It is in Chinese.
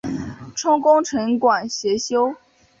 充功臣馆协修。